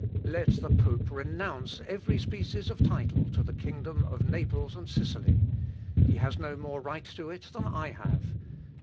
"Let the pope renounce every species of title to the kingdom of Naples and Sicily. He has no more right to it than I have.